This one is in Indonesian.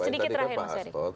sedikit terakhir mas erick